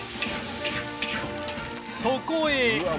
そこへ